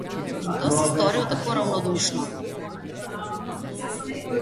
In to si storil tako ravnodušno.